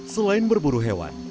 selain berburu hewan